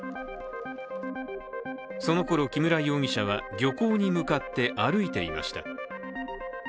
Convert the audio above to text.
そのころ、木村容疑者は漁港に向かって歩いていました。